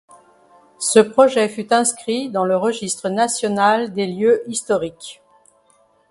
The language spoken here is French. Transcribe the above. Ce projet fut inscrit dans le Registre national des lieux historiques.